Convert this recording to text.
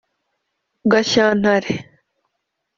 Gashyantare